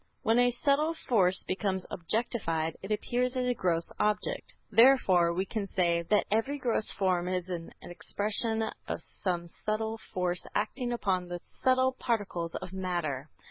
When a subtle force becomes objectified, it appears as a gross object. Therefore, we can say, that every gross form is an expression of some subtle force acting upon the subtle particles of matter.